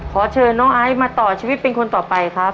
ขอเชิญน้องไอซ์มาต่อชีวิตเป็นคนต่อไปครับ